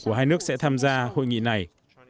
của hai nước sẽ tham gia hội nghị này